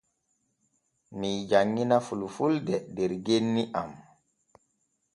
Mii janŋina fulfulde der genni am.